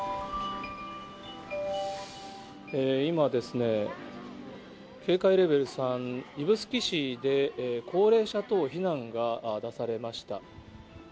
今ですね、警戒レベル３、指宿市で高齢者等避難が出されました。